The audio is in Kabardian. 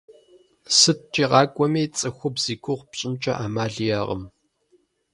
СыткӀэ къакӀуэми цӀыхубзщ игугъу пщӀынкӀэ Ӏэмал иӀэкъым.